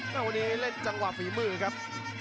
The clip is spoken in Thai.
แต่วันนี้เล่นจังหวะฝีมือครับ